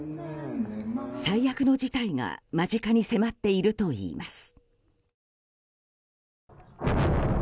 最悪の事態が間近に迫っているといいます。